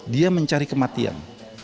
dia mencari kematian